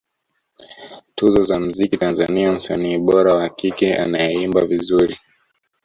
Tuzo za mziki Tanzania msanii bora wa kike anayeimba vizuri